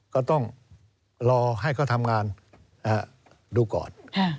ก็ต้องรอให้เขาทำงานดูก่อน